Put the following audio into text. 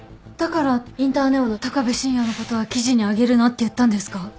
だからインターネオの鷹部晋也のことは記事に上げるなって言ったんですか？